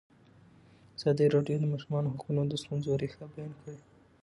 ازادي راډیو د د ماشومانو حقونه د ستونزو رېښه بیان کړې.